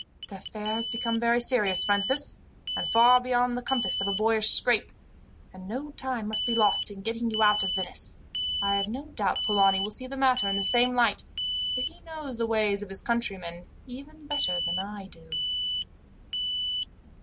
"The affair has become very serious, Francis, and far beyond the compass of a boyish scrape, and no time must be lost in getting you out of Venice. I have no doubt Polani will see the matter in the same light, for he knows the ways of his countrymen even better than I do."